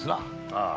ああ。